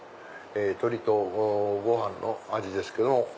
鶏とご飯の味ですけども。